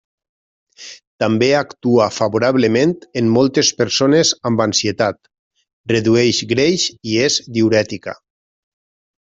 També actua favorablement en moltes persones amb ansietat, redueix greix i és diürètica.